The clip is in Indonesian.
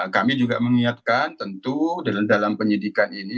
kami juga mengingatkan tentu dalam penyidikan ini